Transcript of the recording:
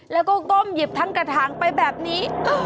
แล้วก็ก้มหยิบทั้งกระถางไปแบบนี้